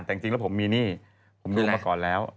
แต่จริงแล้วผมมีหนี้ผมดูมาก่อนแล้ว